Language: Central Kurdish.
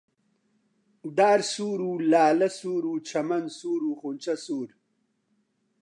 دار سوور و لالە سوور و چەمەن سوور و خونچە سوور